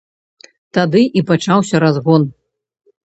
Тады і пачаўся разгон.